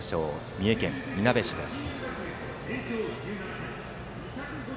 三重県いなべ市です。